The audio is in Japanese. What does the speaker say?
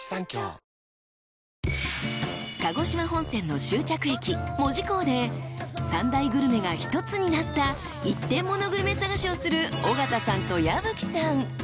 ［鹿児島本線の終着駅門司港で３大グルメが１つになった一点モノグルメ探しをする尾形さんと矢吹さん。